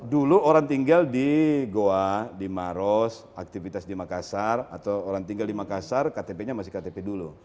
dulu orang tinggal di goa di maros aktivitas di makassar atau orang tinggal di makassar ktp nya masih ktp dulu